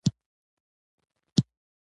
کېږي